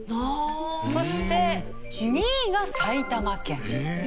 そして２位が埼玉県。